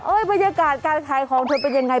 บรรยากาศการขายของเธอเป็นยังไง